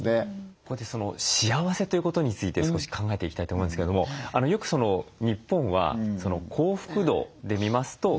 ここで幸せということについて少し考えていきたいと思うんですけれどもよく日本は幸福度で見ますと世界の中で決して高くはない。